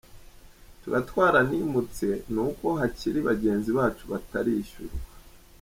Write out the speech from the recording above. Tuba twaranimutse ni uko hakiri bagenzi bacu batarishyurwa.